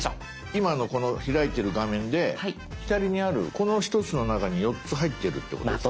今のこの開いてる画面で左にあるこの１つの中に４つ入ってるってことですか？